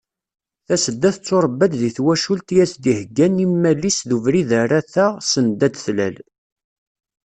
Tasedda tetturebba-d deg twacult i as-d-iheggan immal-is d ubrid ara taɣ send ad d-tlal.